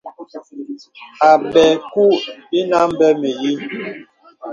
Àbɛ̄ɛ̄ kùù inə a mbè mə̀yīī.